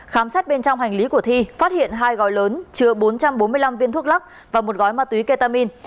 khám xét bên trong hành lý của thi phát hiện hai gói lớn chứa bốn trăm bốn mươi năm viên thuốc lắc và một gói ma túy ketamin